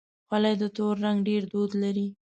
خولۍ د تور رنګ ډېر دود لري.